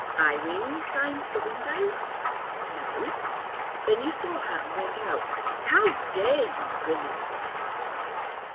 "Irene signed to the window?" "No." "Then you saw her and went out and " "How dare you, William?"